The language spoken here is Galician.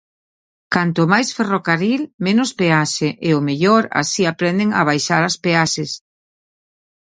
Canto máis ferrocarril, menos peaxe, e ao mellor así aprenden a baixar as peaxes.